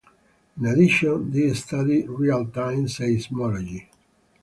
In addition, they studied realtime seismology.